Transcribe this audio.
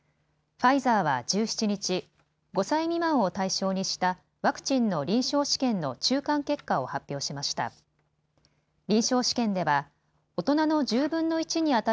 ファイザーは１７日、５歳未満を対象にしたワクチンの臨床試験の中間結果を発表しました。